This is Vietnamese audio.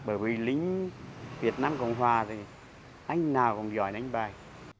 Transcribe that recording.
bởi vì lính việt nam cộng hòa thì anh nào cũng giỏi đánh bài